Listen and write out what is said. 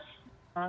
kita arahkan ke pmi